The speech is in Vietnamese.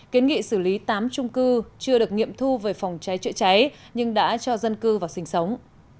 kiến nghị xử lý tám trung cư chưa được nghiệm thu về phòng cháy chữa cháy nhưng đã cho dân cư vào sinh sống